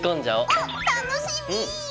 おっ楽しみ！